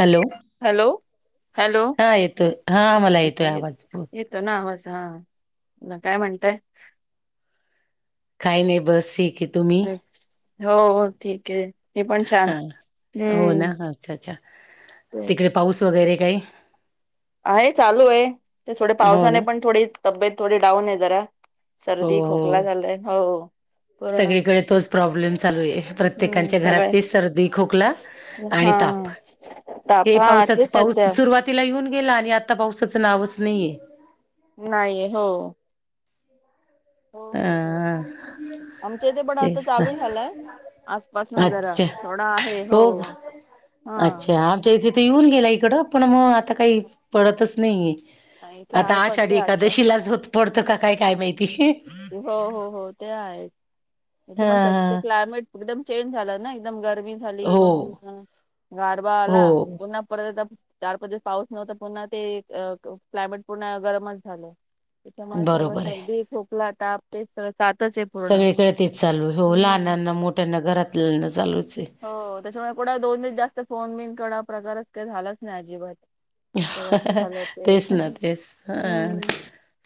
Hello hello hello हा येतोय हा मला येतोय आवाज बत तो ना आवाज हा काय म्हणतय काही नाही बस शिक अ् हो ठीक आहे हे पण छान हो ना हम्म अच्छा अच्छा ते तिकडे पाऊस वगैरे काही आहे चालू आहे ते थोडे हो पावसाने ना पण थोडी तब्येत थोडी डाऊन आहे जरा हो सर्दी हो खोकला झालाय हो पूर्ण सगळीकडे तोच प्रॉब्लेम चालू आहे हम्म प्रत्येकच्या घरात सगळे त सर्दी खोकला आणि हा ताप ताप हे हा पावसाच तेच पाऊस सध्या सुरुवातीला येऊन गेला आणि आता पावसाचं नावच नाहीये नाही हो हो हो हो अ आमच्या इ ते पण आता तेच ना चालू झालंय आसपासून जरा अच्छा थोडा आहे हो हा हम येऊन गेला इकडं पण मग आता काही पडतच नाहीे नाही, इथे आता आहे पडते आषाढी आजपासून एकादशीलाच होत पडतं का काय काय माहिती हो हो हो ते आहेथ ह म्हणत ते क्लायमेट एकदम चेंज झालं ना एकदम गरमी झाली हो मग गारबा हो आला पुन्हा परत चार पदस पाऊस नव्हता पुन्हा ते क्लायमेट पूर्ण गरमच झालं त्याच्यामुळे सगळं बरोबर आहे सर्दी खोकला ताप ते सगळ सातच आहे पूर्ण. सगळीकडे तेच चालू आहे हो हम्म. लहनांना मोठ्यांना घरात लना चालूच आहे हो त्याच्यामुळे कुणा दोन दिस जास्त फोन बिन क प्रकारच काही झालाच नाही अजिबात सगळं असं झालं ते तेच ना तेच हम्म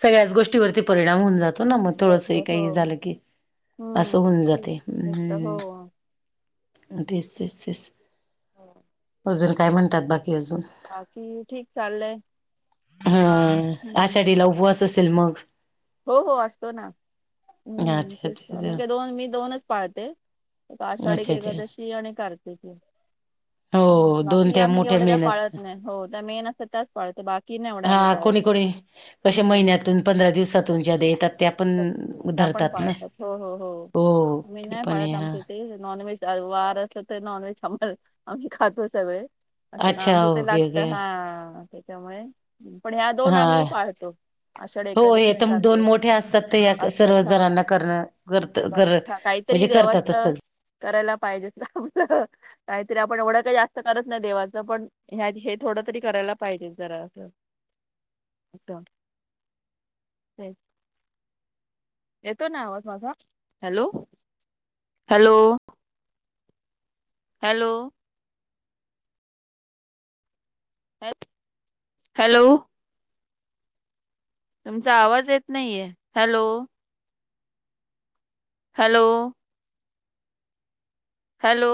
सगळ्याच गोष्टीवरती परिणाम होऊन जातो ना मग थोडस जात हो काही झालं की असं हम्म. होऊन तेच. जाते जातं, हम हो तेच तेच तेच हम अजून काय म्हणतात बाकी अजून बाकी ठीक चाललंय हा हम्म. आषाढीला उ्हच असेल मग हो हो असतो ना अच्छा हम्म ते अच्छा अच्छा म्हणे दोन मी दोनच पाळते आषाढी की अच्छा अच्छा एखादशी सयाणे करतेचे हो दोन बाकी त्या आम्ही मोठ्या एवढे काय मेन असत पाळत नाही हो त्या मेन असत त्याच पाळत बाकी नाही एवढं आम्ही पाळत कश हम्म महिन्यातून पंधरा दिवसातून ज्या येतात आपण पाळत हो हो हो हो आ ते नाही पण पाळत आहे हा आमच्या इथे नॉन व्हेज वार असलं तर नॉनव्हेज आ आम्ही खातो सगळे असं का अच्छा आमच तर ओके लागत ओके हा त्याच्यामुळे पण ह्या दोन हा आम्ही पाहतो आषाढ ए हो हे एककादशण तर दोन मोठे असतात ते या अच्छा सर्व हा जणांना करणं करत कर हा म्हणजे काहीतरी देवाच करतातच सगळे करायला पाहिजे आपलं काहीतरी आपण एवढं काही जास्त करत नाही देवाचं पण हे थोडं तरी करायला पाहिजे जरा असं असं ब् येतो ना आ हॅलो हॅलो हॅलो हॅलो तुमचा आवाज येत नाहीये हॅलो हॅलो हॅलो